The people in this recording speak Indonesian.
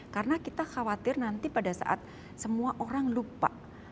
karena kita khawatir nanti pada saat semua orang lupa